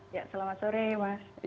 ya selamat sore mas